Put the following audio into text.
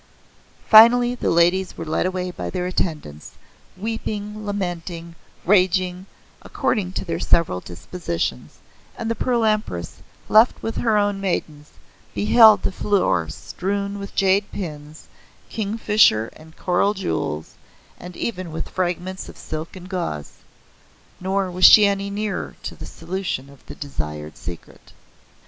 Finally the ladies were led away by their attendants, weeping, lamenting, raging, according to their several dispositions, and the Pearl Empress, left with her own maidens, beheld the floor strewn with jade pins, kingfisher and coral jewels, and even with fragments of silk and gauze. Nor was she any nearer the solution of the desired secret.